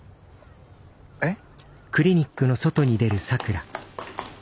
えっ？